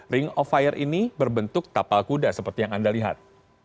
ring of fire ini berbentuk tapal kuda seperti yang anda lihat